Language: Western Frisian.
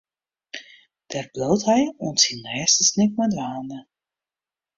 Dêr bliuwt hy oant syn lêste snik mei dwaande.